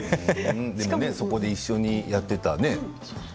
しかも、そこで一緒にやっていたね。